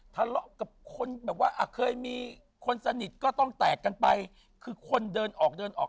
ทะเลาะกับคนแบบว่าอ่ะเคยมีคนสนิทก็ต้องแตกกันไปคือคนเดินออกเดินออก